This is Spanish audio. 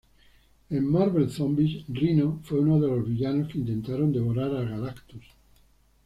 En Marvel Zombies, Rhino fue uno de los villanos que intentaron devorar a Galactus.